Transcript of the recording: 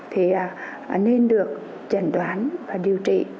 thì nên được chẩn đoán và điều trị